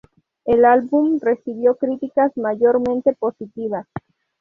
El álbum recibió críticas mayormente positivas.